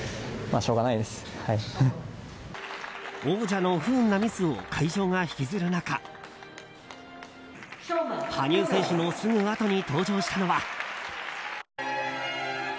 王者の不運なミスを会場が引きずる中羽生選手のすぐあとに登場したのは。